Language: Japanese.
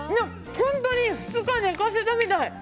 本当に２日寝かせたみたい。